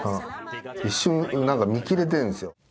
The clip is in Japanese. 一瞬何か見切れてんすよ。